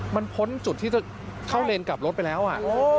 มันพ้นจุดที่จะเข้าเลนกลับรถไปแล้วอ่ะ